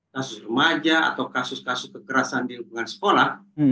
kasus remaja atau kasus kasus kekerasan di lingkungan sekolah